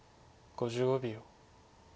５５秒。